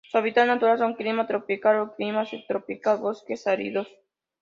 Su hábitat natural son: Clima tropical o Clima subtropical, bosques áridos.